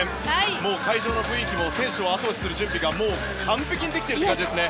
もう会場の雰囲気も選手を後押しする準備が完璧にできている感じですね。